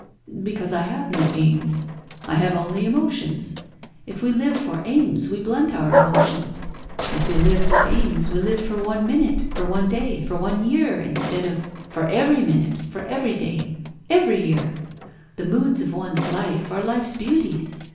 "Because I have no aims; I have only emotions. If we live for aims we blunt our emotions. If we live for aims, we live for one minute, for one day, for one year, instead of for every minute, every day, every year. The moods of one's life are life's beauties.